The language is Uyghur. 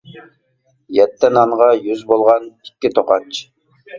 يەتتە نانغا يۈز بولغان ئىككى توقاچ.